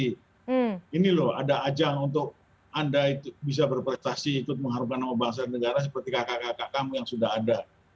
jadi ini loh ada ajang untuk anda bisa berprestasi ikut mengharukan nama bangsa negara seperti kakak kakak kamu yang sudah ada